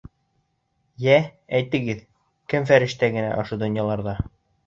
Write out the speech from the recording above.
Йә, әйтегеҙ, кем фәрештә генә ошо донъяларҙа?!